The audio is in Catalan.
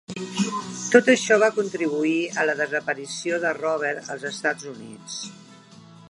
Tot això va contribuir a la desaparició de Rover als Estats Units.